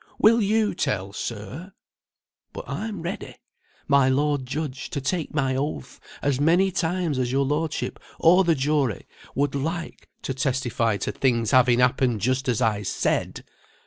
Will you tell, sir? But I'm ready, my lord judge, to take my oath as many times as your lordship or the jury would like, to testify to things having happened just as I said.